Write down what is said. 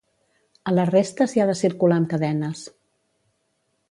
A la resta s’hi ha de circular amb cadenes.